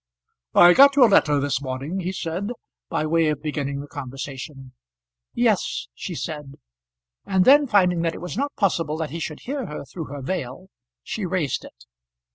"I got your letter this morning," he said, by way of beginning the conversation. "Yes," she said; and then, finding that it was not possible that he should hear her through her veil, she raised it.